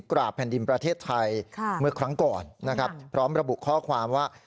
กราบแผ่นดินประเทศไทยเมื่อครั้งก่อนนะครับพร้อมระบุข้อความว่า